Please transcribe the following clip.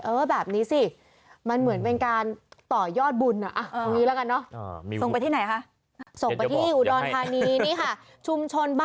เออแบบนี้สิมันเหมือนเป็นการต่อยอดบุญ